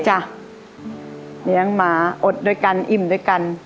จ้ะเลี้ยงมาอดโดยกันอิ่มโดยกัน